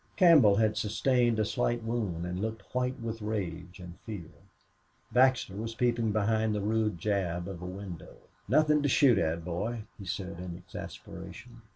Campbell had sustained a slight wound and looked white with rage and fear. Baxter was peeping from behind the rude jamb of a window. "Nothin' to shoot at, boy," he said, in exasperation.